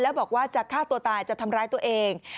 แล้วบอกว่าจะฆ่าตัวตายจะทำร้ายตัวเอง